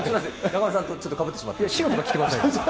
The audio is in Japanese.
中丸さんとちょっとかぶってしまって。